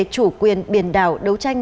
chủ quyền biển đảo đấu tranh